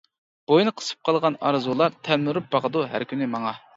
بويۇن قىسىپ قالغان ئارزۇلار، تەلمۈرۈپ باقىدۇ ھەر كۈنى ماڭا.